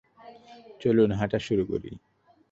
চলুন, হাঁটা শুরু করি!